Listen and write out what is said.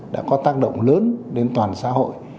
đã có tác động lớn đến toàn xã hội